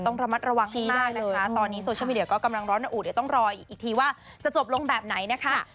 ต้องระมัดระวังให้มากนะคะตอนนี้โซเชียลมีเดียก็กำลังร้อนระอุดเดี๋ยวต้องรออีกทีว่าจะจบลงแบบไหนนะคะ